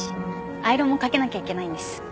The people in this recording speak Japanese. アイロンもかけなきゃいけないんです。